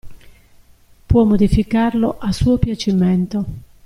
Può modificarlo a suo piacimento.